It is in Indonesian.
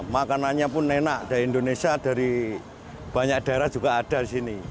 makanannya pun enak dari indonesia dari banyak daerah juga ada di sini